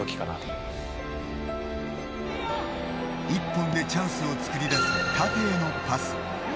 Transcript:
１本でチャンスをつくり出す縦へのパス